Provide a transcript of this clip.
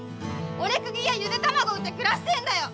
折れ釘やゆで卵売って暮らしてんだよ！